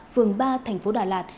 phường ba thành phố đà lạt